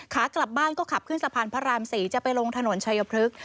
ขากลับบ้านก็ขับขึ้นสะพานพระราม๔จะไปลงถนนชัยพฤกษ์